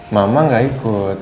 mama enggak ikut